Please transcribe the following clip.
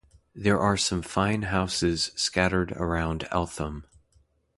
There are some fine houses scattered around Eltham.